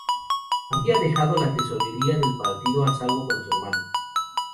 Había dejado la tesorería del partido a salvo con su hermano.